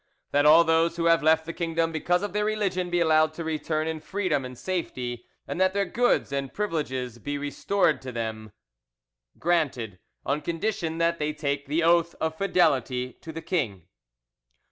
That all those who have left the kingdom because of their religion be allowed to return in freedom and safety, and that their goods and privileges be restored to them. 'Granted on condition that they take the oath of fidelity to the king.